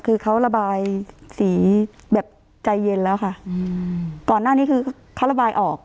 คือเขาระบายสีแบบใจเย็นแล้วค่ะอืมก่อนหน้านี้คือเขาระบายออก